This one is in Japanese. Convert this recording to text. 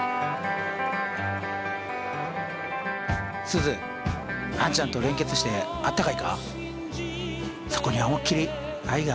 すずあんちゃんと連結してあったかいか？